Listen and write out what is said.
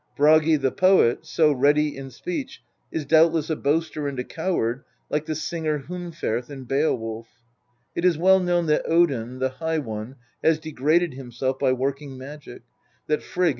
Bragi the poet, so ready in speech, is doubtless a boaster and a coward like the singer Hunferth in " Beowulf; " it is well known that Odin, the High One, has degraded himself by working magic, that Frigg.